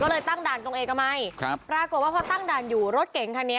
ก็เลยตั้งด่านตรงเอกมัยครับปรากฏว่าพอตั้งด่านอยู่รถเก๋งคันนี้